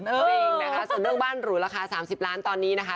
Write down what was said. จริงนะคะส่วนเรื่องบ้านหรูราคา๓๐ล้านตอนนี้นะคะ